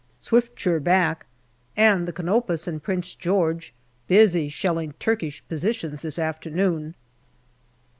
Swiftsure back, and the Canopus and Prince George busy shelling Turkish positions this afternoon.